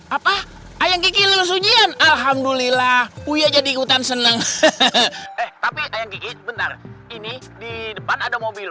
apa ayang kiki lulus ujian alhamdulillah uy aja di hutan seneng tapi ini di depan ada mobil